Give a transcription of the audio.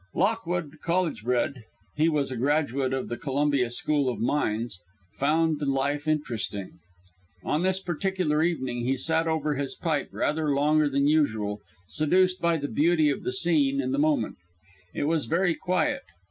Lockwood, college bred he was a graduate of the Columbia School of Mines found the life interesting. On this particular evening he sat over his pipe rather longer than usual, seduced by the beauty of the scene and the moment. It was very quiet.